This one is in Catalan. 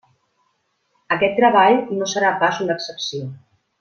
Aquest treball no serà pas una excepció.